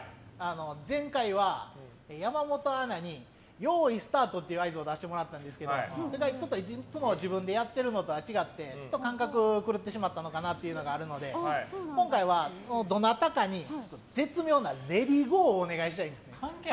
前回は山本アナによーいスタートという合図を出してもらったんですけどそれが、ちょっといつも自分でやってるのとは違って感覚がくるってしまったというのがあるので今回は、どなたかに絶妙なレディーゴーをお願いしたいんです。